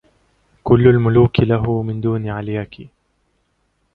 كل الملوك له من دونِ علياكِ